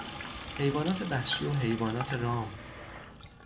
حیوانات وحشی و حیوانات رام